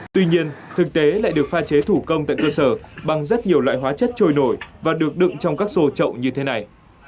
tuy nhiên thực tế lại được pha chế thủ công tại cơ sở bằng rất nhiều loại hóa chất trôi nổi và được đựng trong các sô trậu như thế này